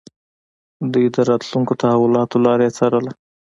دوی د راتلونکو تحولاتو لاره يې څارله.